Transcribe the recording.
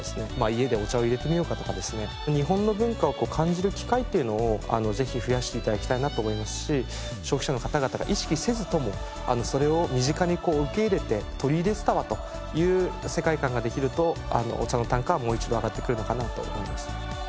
家でお茶をいれてみようかとかですね日本の文化を感じる機会っていうのをぜひ増やして頂きたいなと思いますし消費者の方々が意識せずともそれを身近に受け入れて取り入れてたわという世界観ができるとお茶の単価はもう一度上がってくるのかなと思います。